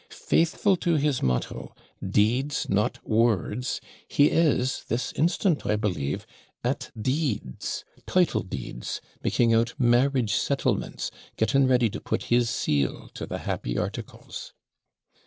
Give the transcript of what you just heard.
Faithful to his motto, "Deeds not words," he is this instant, I believe, at deeds, title deeds; making out marriage settlements, getting ready to put his seal to the happy articles.'